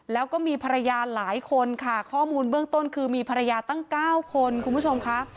แล้วก็มีภรรยาหลายคนค่ะข้อมูลเบื้องต้นคือมีภรรยาตั้ง๙คนคุณผู้ชมค่ะ